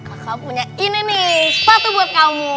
asal punya ini nih sepatu buat kamu